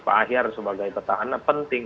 pak ahyar sebagai petahana penting